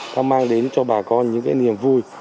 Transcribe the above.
nó mang đến cho bà con những cái niềm vui